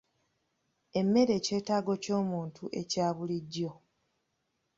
Emmere kyetaago ky'omuntu ekya bulijjo.